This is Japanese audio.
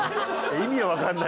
意味わかんない。